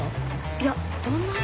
いや「どんなに？」